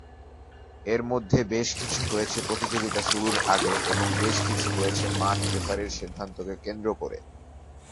এর মধ্যে কিছু হয়েছে প্রতিযোগিতা শুরুর আগে, এবং বেশ কিছু হয়েছে মাঠ রেফারির সিদ্ধান্তকে কেন্দ্র করে।